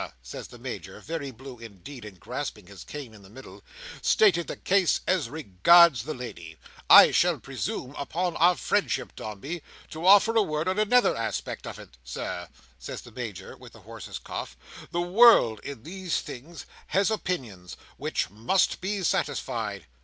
—says the Major, very blue, indeed, and grasping his cane in the middle—"stated the case as regards the lady, I shall presume upon our friendship, Dombey, to offer a word on another aspect of it. Sir," says the Major, with the horse's cough, "the world in these things has opinions, which must be satisfied."